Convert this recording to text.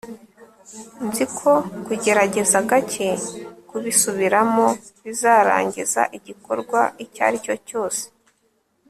nzi ko kugerageza gake, kubisubiramo, bizarangiza igikorwa icyo ari cyo cyose